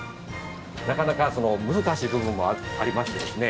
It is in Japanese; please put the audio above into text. なかなか難しい部分もありましてですね。